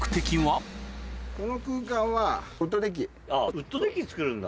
ウッドデッキ造るんだ。